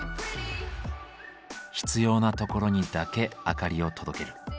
必要なところにだけ明かりを届ける。